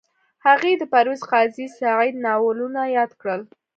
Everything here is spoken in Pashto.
هغې د پرویز قاضي سعید ناولونه یاد کړل